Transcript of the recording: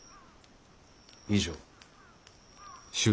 以上。